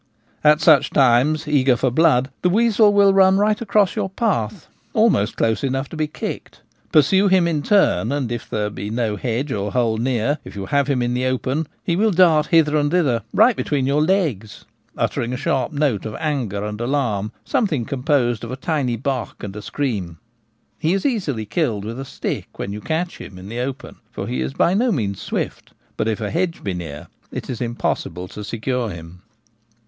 At such times, eager for blood, the weasel will run right across your path, almost close enough to be kicked. Pursue him in turn, and if there be no hedge or hole near, if you have him in the open, he will dart hither and thither right between your legs, uttering a sharp short note of anger and alarm, something com posed of a tiny bark and a scream. He is easily killed with a stick when you catch him in the open, for he is by no means swift ; but if a hedge be near it is impossible to secure him.